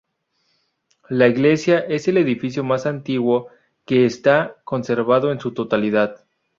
La iglesia es el edificio más antiguo que está conservado en su totalidad.